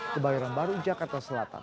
kebayaran baru jakarta selatan